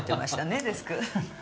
ねデスク。